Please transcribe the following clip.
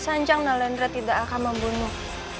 sanjang nalendra tidak akan membunuh